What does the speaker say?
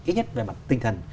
ít nhất về mặt tinh thần